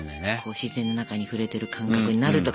自然の中に触れてる感覚になるとか。